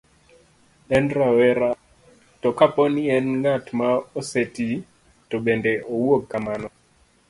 en rawera, to kapo ni en ng'at ma oseti to bende owuog kamano